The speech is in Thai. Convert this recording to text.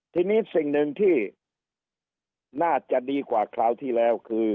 ทีนี้สิ่งหนึ่งที่น่าจะดีกว่าคราวที่แล้วคือ